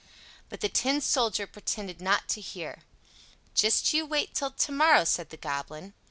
But the Tin Soldier pretended not to hear him. "Just you wait till to morrow!" said the Goblin.